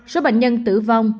số bệnh nhân tử vong